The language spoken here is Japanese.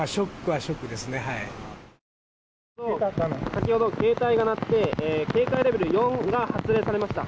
先ほど携帯が鳴って警戒レベル４が発令されました。